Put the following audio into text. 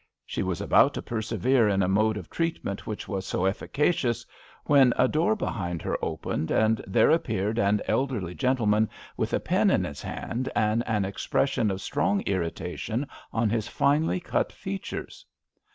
She was about to persevere in a A rainV daV. 1^3 mode of treatment which was so efficacious when a door behind her opened and there appeared an elderly gentleman, with a pen in his hand and an expression of strong irritation on his finely cut features.